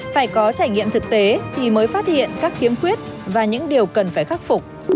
phải có trải nghiệm thực tế thì mới phát hiện các khiếm khuyết và những điều cần phải khắc phục